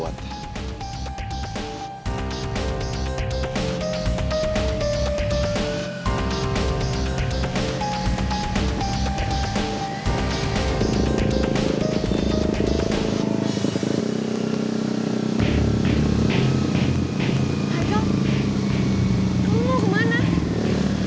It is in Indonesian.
kamu mau kemana